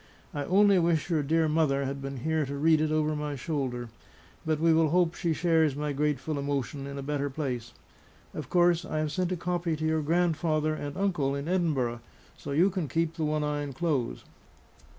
I only wish your dear mother had been here to read it over my shoulder; but we will hope she shares my grateful emotion in a better place. Of course I have sent a copy to your grandfather and uncle in Edinburgh; so you can keep the one I enclose.